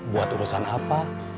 buat urusan apa